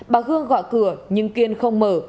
bà hương gọi cửa nhưng kiên không mở